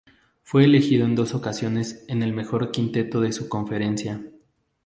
Fue elegido en dos ocasiones en el mejor quinteto de su conferencia.